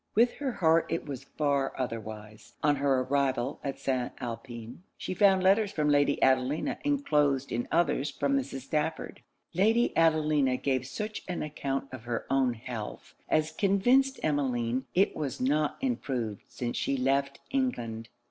With her heart it was far otherwise. On her arrival at St. Alpin, she found letters from Lady Adelina enclosed in others from Mrs. Stafford. Lady Adelina gave such an account of her own health as convinced Emmeline it was not improved since she left England.